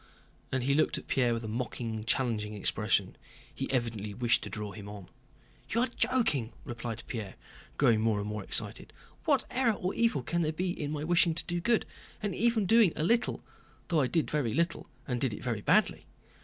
And he looked at Pierre with a mocking, challenging expression. He evidently wished to draw him on. "You are joking," replied Pierre, growing more and more excited. "What error or evil can there be in my wishing to do good, and even doing a little—though I did very little and did it very badly?